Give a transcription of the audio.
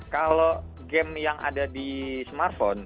kalau game yang ada di smartphone